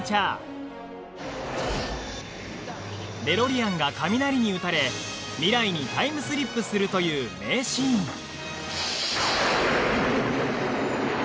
デロリアンが雷に打たれ未来にタイムスリップするという名シーン